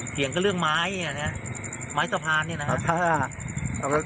เกี่ยวก็เรื่องไม้อย่างเนี้ยไม้สะพานเนี้ยนะครับ